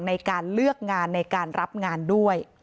ในการเลือกงานในการรับงานด้วย